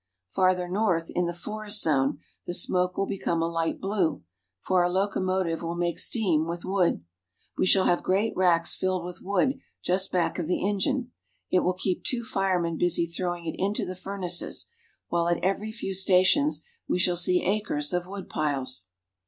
Farther north, in the forest zone, the smoke will become a light blue, for our locomotive will make steam with wood. We shall have great racks filled with wood just back of the engine ; it will keep two firemen busy throwing it into the furnaces, while at every few stations we shall see acres of wood piles.